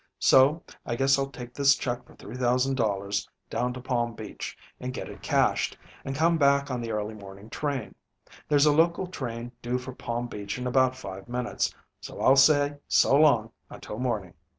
So, I guess I'll take this check for $3,000 down to Palm Beach, and get it cashed, and come back on the early morning train. There's a local train due for Palm Beach in about five minutes, so I'll say so long until morning."